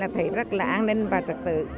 thấy rất là an ninh và trật tự